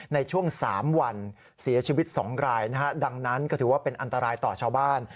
ในช่วง๓วันเสียชีวิต๒รายนะฮะดังนั้นก็ถือว่าเป็นอันตรายต่อชาวบ้าน